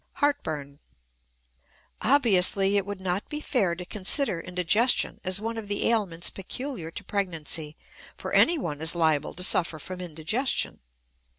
HEARTBURN. Obviously, it would not be fair to consider indigestion as one of the ailments peculiar to pregnancy, for anyone is liable to suffer from indigestion.